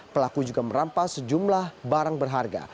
pelaku juga merampas sejumlah barang berharga